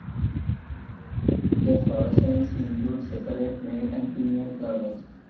The inflorescence include separate male and female flowers.